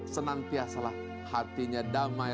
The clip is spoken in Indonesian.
senantiasalah hatinya damai